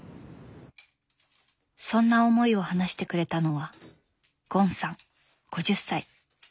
そんな思いを話してくれたのはゴンさん５０歳。